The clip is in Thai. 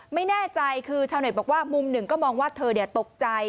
ไม่แน่ใจคือชาวเน็ตบอกว่ามุมหนึ่งก็มองว่าเธอตกใจ